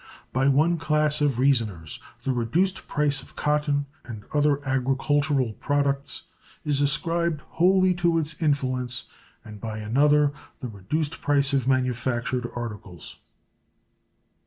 By one class of reasoners the reduced price of cotton and other agricultural products is ascribed wholly to its influence, and by another the reduced price of manufactured articles.